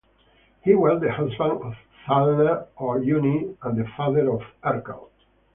He was the husband of Thalna or Uni and the father of Hercle.